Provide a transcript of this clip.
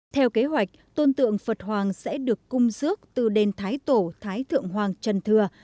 theo kế hoạch tôn tượng phật hoàng sẽ được cung dước từ đền thái tổ thái thượng hoàng trần thừa